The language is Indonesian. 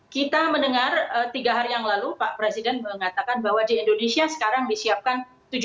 kita mendengar tiga hari yang lalu pak presiden mengatakan bahwa di indonesia sekarang disiapkan